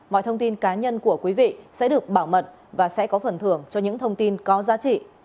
mọi thông tin cá nhân của quý vị sẽ được bảo mật và sẽ có phần thưởng cho những thông tin có giá trị